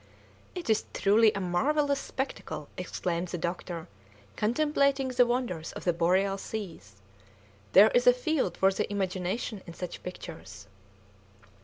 "It is truly a marvellous spectacle!" exclaimed the doctor, contemplating the wonders of the Boreal Seas; "there is a field for the imagination in such pictures!"